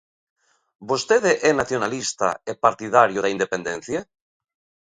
Vostede é nacionalista e partidario da independencia?